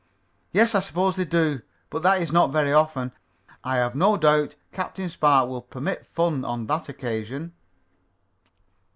"Yes, I suppose they do, but that is not very often. I have no doubt Captain Spark will permit fun on that occasion."